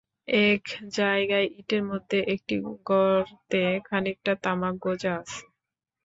এক জায়গায় ইঁটের মধ্যে একটি গর্তে খানিকটা তামাক গোঁজা আছে।